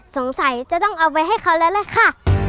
สงสัยจะต้องเอาไปให้เขาแล้วล่ะค่ะ